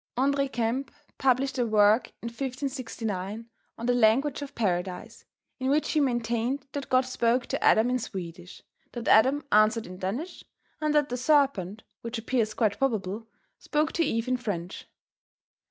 André Kempe published a work in 1569, on the language of Paradise, in which he maintained that God spoke to Adam in Swedish; that Adam answered in Danish and that the serpent (which appears quite probable) spoke to Eve in French.